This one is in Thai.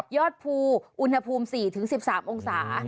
อดภูอุณหภูมิ๔๑๓องศา